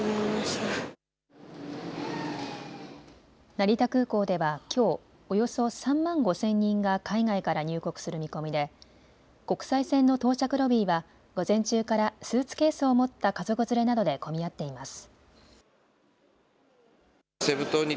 成田空港ではきょうおよそ３万５０００人が海外から入国する見込みで国際線の到着ロビーは午前中からスーツケースを持った家族連れなどで混み合っています。